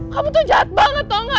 kamu tuh jahat banget tau gak